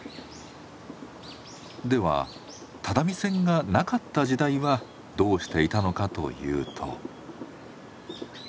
では只見線がなかった時代はどうしていたのかというと。